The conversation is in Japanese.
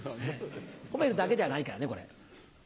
褒めるだけではないからねこれ。